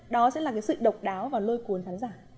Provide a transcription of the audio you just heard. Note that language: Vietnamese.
đó sẽ là cái sự độc đáo và lôi cuồn thán giả